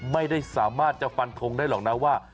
ไม่สามารถจะฟันทงได้หรอกนะว่า